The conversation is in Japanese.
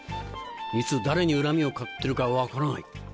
いつ誰に恨みを買ってるか分からない